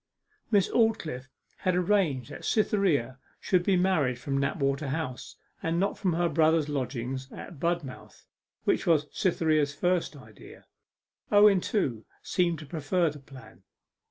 Miss Aldclyffe had arranged that Cytherea should be married from Knapwater House, and not from her brother's lodgings at Budmouth, which was Cytherea's first idea. Owen, too, seemed to prefer the plan.